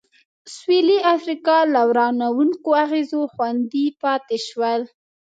سوېلي افریقا له ورانوونکو اغېزو خوندي پاتې شول.